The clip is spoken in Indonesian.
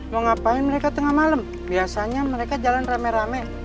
mau ngapain mereka tengah malam biasanya mereka jalan rame rame